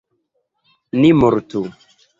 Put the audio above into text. Ni mortu!